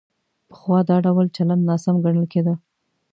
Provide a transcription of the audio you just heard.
پخوا دا ډول چلند ناسم ګڼل کېده.